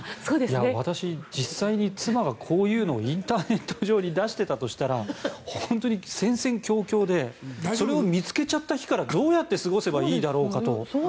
私、実際に妻がこういうのをインターネット上に出していたとしたら本当に戦々恐々でそれを見つけちゃった日からどうやって過ごせばいいだろうかと。